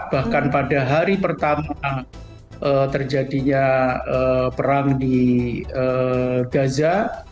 bahkan pada hari pertama terjadinya perang di gaza